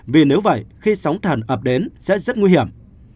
vì nếu vậy khi sóng thần ập đến sẽ rất nguy hiểm